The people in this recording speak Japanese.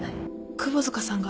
窪塚さんが？